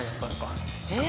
えっ？